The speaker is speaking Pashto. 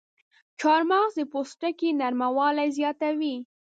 چارمغز د پوستکي نرموالی زیاتوي.